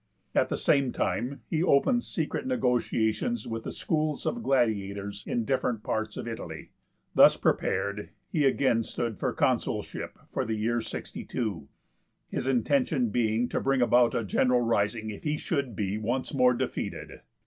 At the same time he opened secret negotiations with the schools of gladiators in different parts of Italy. Thus prepared, he again stood for the Consulship for the year 62; his intention being to bring about a general rising if he should be once more defeated.